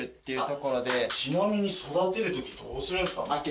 ちなみに育てるときどうするんですか？